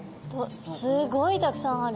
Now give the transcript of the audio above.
すごいたくさんある。